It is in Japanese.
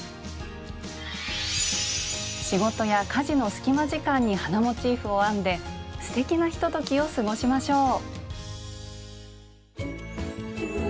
仕事や家事の隙間時間に花モチーフを編んですてきなひとときを過ごしましょう！